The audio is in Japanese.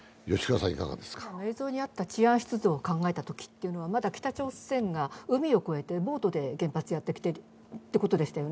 映像にあった治安出動を考えたときというのはまだ北朝鮮が海を越えてボートで原発へやってきてということでしたよね。